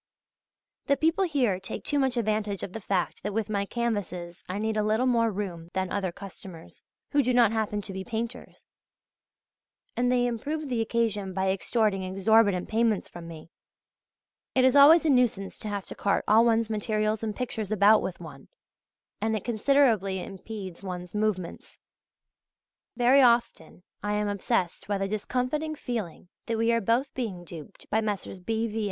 The people here take too much advantage of the fact that with my canvases I need a little more room than other customers, who do not happen to be painters, and they improve the occasion by extorting exorbitant payments from me.... It is always a nuisance to have to cart all one's materials and pictures about with one, and it considerably impedes one's movements. Very often I am obsessed by the discomfiting feeling that we are both being duped by Messrs. B. V.